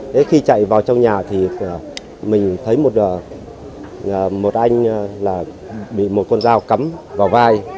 thế khi chạy vào trong nhà thì mình thấy một anh là bị một con dao cắm vào vai